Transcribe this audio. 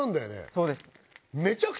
そうです。